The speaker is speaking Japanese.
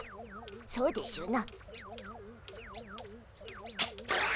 そうでしゅな。